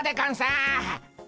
ん？